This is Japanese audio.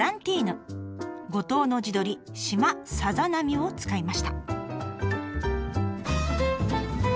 五島の地鶏しまさざなみを使いました。